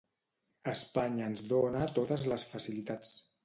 Espanya ens dona totes les facilitats.